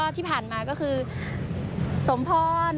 ที่ผ่านมาก็คือสมพร